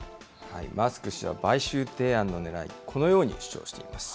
マスク氏は買収提案のねらい、このように主張しています。